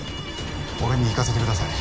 俺に行かせてください。